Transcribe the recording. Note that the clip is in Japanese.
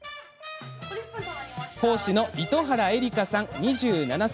講師の糸原絵里香さん、２７歳。